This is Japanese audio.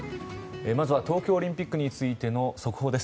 まずは東京オリンピックについての速報です。